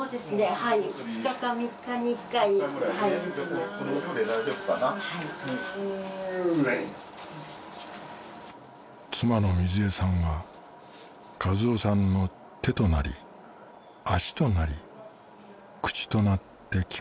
はい２日か３日に１回妻の瑞枝さんは一男さんの手となり足となり口となってきました